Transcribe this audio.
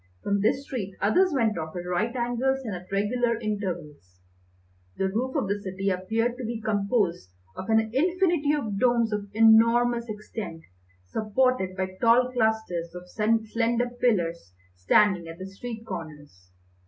From this street others went off at right angles and at regular intervals. The roof of the city appeared to be composed of an infinity of domes of enormous extent, supported by tall clusters of slender pillars standing at the street corners.